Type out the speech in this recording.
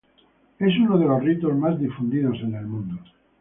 Es uno de los ritos más difundidos en el mundo.